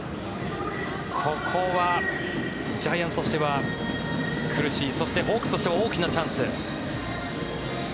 ここはジャイアンツとしては苦しいそして、ホークスとしては大きなチャンス。